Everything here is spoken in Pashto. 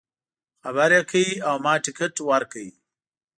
خبر یې کړ او ما ټکټ ورکړ.